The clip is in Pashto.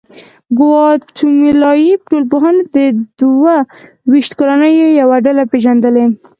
ګواتیمالایي ټولنپوهې د دوه ویشت کورنیو یوه ډله پېژندلې.